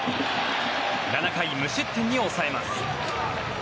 ７回無失点に抑えます。